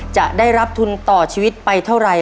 จะได้รับทุนต่อชีวิตไปเท่าไหร่